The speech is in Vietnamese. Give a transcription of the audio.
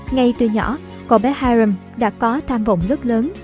ngay từ nhỏ cậu bé harem đã có tham vọng lớn lớn